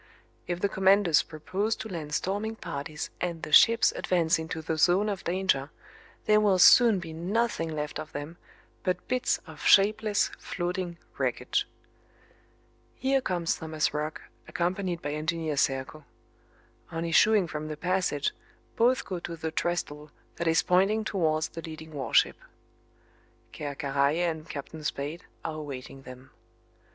If the commanders propose to land storming parties and the ships advance into the zone of danger there will soon be nothing left of them but bits of shapeless floating wreckage. Here comes Thomas Roch accompanied by Engineer Serko. On issuing from the passage both go to the trestle that is pointing towards the leading warship. Ker Karraje and Captain Spade are awaiting them.